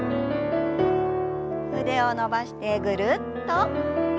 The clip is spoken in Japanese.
腕を伸ばしてぐるっと。